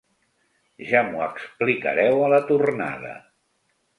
Ja m'ho explicareu a la tornada.